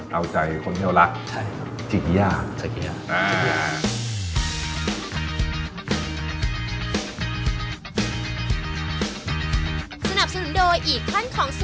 เอาใจคนเที่ยวลักษณ์